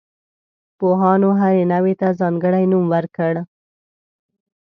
پوهانو هرې نوعې ته ځانګړی نوم ورکړ.